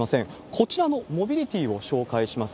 こちらのモビリティを紹介します。